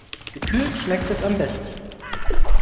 Gekühlt schmeckt es am besten.